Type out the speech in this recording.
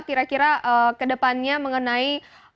kira kira ke depannya mengenai